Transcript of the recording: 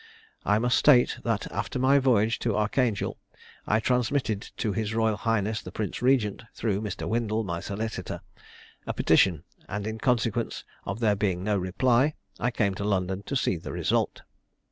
I must state that after my voyage to Archangel, I transmitted to his royal highness the Prince Regent, through Mr. Windle, my solicitor, a petition, and in consequence of there being no reply I came to London to see the result.